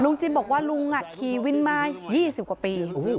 จิ้มบอกว่าลุงขี่วินมา๒๐กว่าปี